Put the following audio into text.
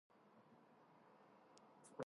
მალე იგი უფროს მეცნიერ-მუშაკად დაამტკიცეს.